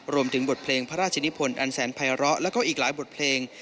รวมถึงบทเพลงพระราชนิพลอันแสนภัยร้อแล้วก็อีกหลายบทเพลง